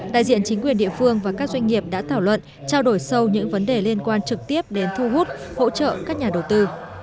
đại diện chính quyền địa phương và các doanh nghiệp đã thảo luận trao đổi sâu những vấn đề liên quan trực tiếp đến thu hút hỗ trợ các nhà đầu tư